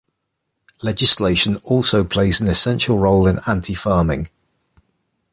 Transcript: Legislation also plays an essential role in anti-pharming.